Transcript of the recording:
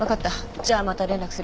じゃあまた連絡する。